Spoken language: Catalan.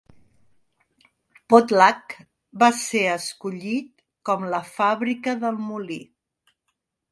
Potlatch va ser escollit com la fàbrica del molí.